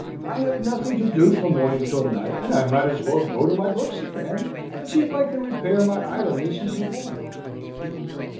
I have nothing to do from morning till night, and I might as well go to my books again, and see if I can repair my idleness as a boy.'